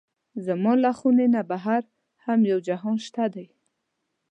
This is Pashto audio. زما له خونې نه بهر هم یو جهان شته دی.